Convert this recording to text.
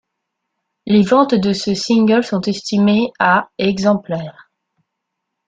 Les ventes de ce single sont estimées à exemplaires.